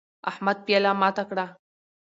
احمد پیاله ماته کړه